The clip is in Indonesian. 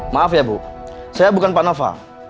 maaf ya bu saya bukan pak nova